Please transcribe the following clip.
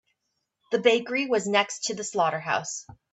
The bakery was next to the slaughterhouse.